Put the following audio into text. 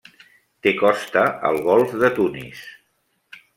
Té costa al golf de Tunis.